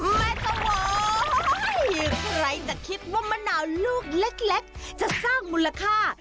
แม่ตะบอยใครจะคิดว่ามะนาวลูกเล็กจะสร้างมูลค่า